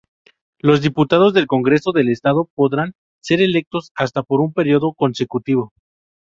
Los diputados al Congreso del Estado podrán ser electos hasta por un periodo consecutivo.